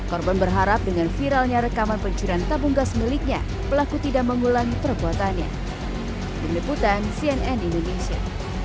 korban berharap dengan viralnya rekaman pencurian tabung gas miliknya pelaku tidak mengulangi perbuatannya